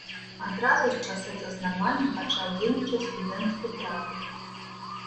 Адразу з часоў заснавання пачаў дзейнічаць студэнцкі тэатр.